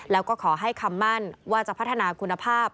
แล้วก็ขอให้คำมั่นว่าจะพัฒนาคุณภาพ